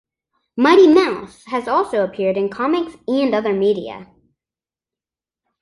Mighty Mouse has also appeared in comics and other media.